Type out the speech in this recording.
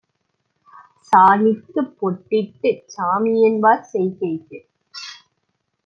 சாணிக்குப் பொட்டிட்டுச் சாமிஎன்பார் செய்கைக்கு